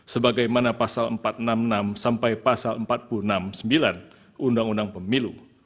sebagaimana pasal empat ratus enam puluh enam sampai pasal empat puluh enam sembilan undang undang pemilu